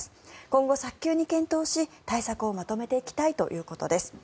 今後、早急に検討し対策をまとめていきたいということです。